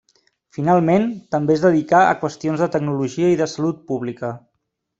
Finalment també es dedicà a qüestions de tecnologia i de salut pública.